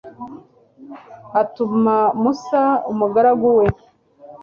atuma musa, umugaragu we